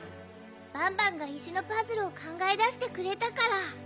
バンバンが石のパズルをかんがえだしてくれたから。